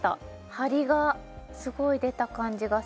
ハリがすごい出た感じがする